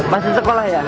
masih sekolah ya